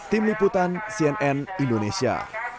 tim liputan cnn indonesia